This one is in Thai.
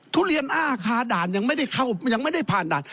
ทุเรียนอ้าคาด่านยังไม่ได้เข้ายังไม่ได้ผ่านด่าน